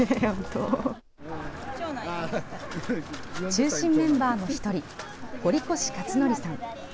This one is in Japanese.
中心メンバーの１人堀越勝徳さん。